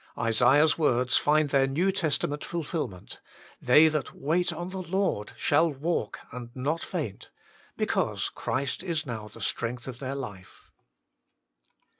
Isaiah s words find their New Testament fulfilment : They that wait on the Lord shall walk and not faint, because Christ is now the strength of their life.